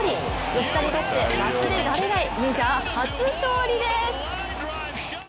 吉田にとって忘れられないメジャー初勝利です。